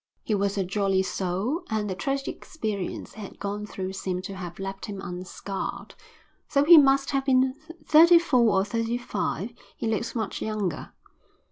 He was a jolly soul, and the tragic experience he had gone through seemed to have left him unscarred. Though he must have been thirty four or thirty five he looked much younger.